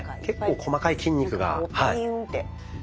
結構細かい筋肉が。